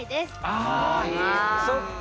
ああそっか。